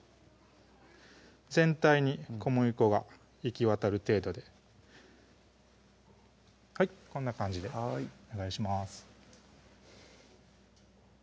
全体に小麦粉が行き渡る程度でこんな感じでお願いします